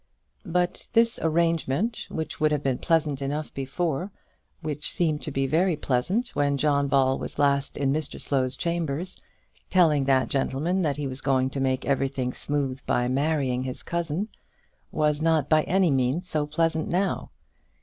But this arrangement, which would have been pleasant enough before, which seemed to be very pleasant when John Ball was last in Mr Slow's chambers, telling that gentleman that he was going to make everything smooth by marrying his cousin, was not by any means so pleasant now.